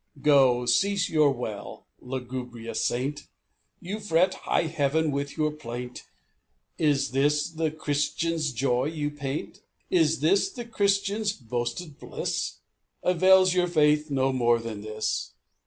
Go, cease your wail, lugubrious saint! You fret high Heaven with your plaint. Is this the "Christian's joy" you paint? Is this the Christian's boasted bliss? Avails your faith no more than this?